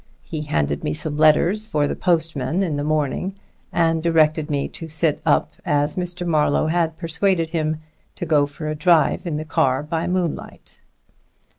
He handed me some letters for the postman in the morning and directed me to sit up, as Mr. Marlowe had persuaded him to go for a drive in the car by moonlight."